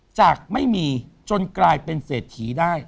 จากไม่มีจนกลายเป็นเศรษฐีได้